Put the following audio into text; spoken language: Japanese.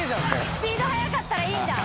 スピード速かったらいいんだ。